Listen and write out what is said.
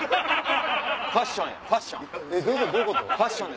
ファッションやファッション。